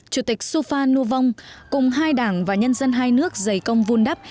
chủ tịch supha nu vong cùng hai đảng và nhân dân hai nước dày công vun đắp